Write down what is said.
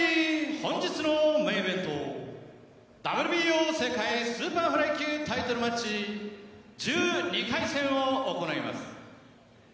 本日のメインイベント、ＷＢＯ世界スーパーフライ級タイトルマッチ１２回戦を行います。